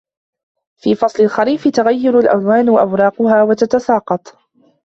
في فصل الخريف تغير الأوراق ألوانها و تتساقط.